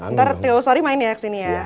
ntar tio sori main ya kesini ya